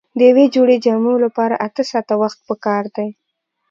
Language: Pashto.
د یوې جوړې جامو لپاره اته ساعته وخت پکار دی.